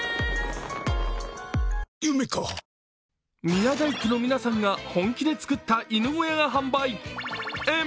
宮大工の皆さんが本気で作った犬小屋が販売。